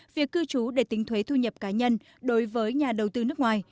việc cư trú để tính thuế thu nhập cá nhân đối với nhà đầu tư nước ngoài